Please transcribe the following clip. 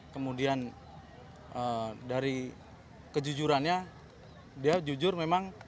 kemudian dari kejujurannya dia jujur memang